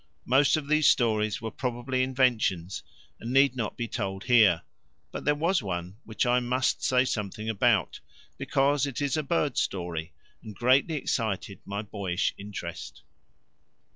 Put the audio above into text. Most of these stories were probably inventions and need not be told here; but there was one which I must say something about because it is a bird story and greatly excited my boyish interest.